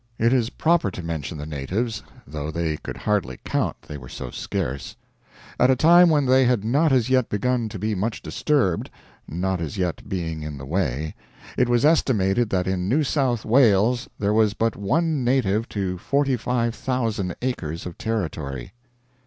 It is proper to mention the natives, though they could hardly count they were so scarce. At a time when they had not as yet begun to be much disturbed not as yet being in the way it was estimated that in New South Wales there was but one native to 45,000 acres of territory.